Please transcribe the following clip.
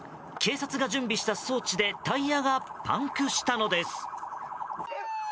警察が準備した装置でタイヤがパンクしたのです。